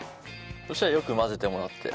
そしたらよく混ぜてもらって。